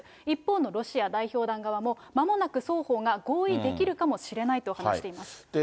一方のロシア代表団側も、まもなく双方が合意できるかもしれないと話しています。